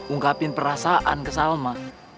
ungkapin perasaan ke salma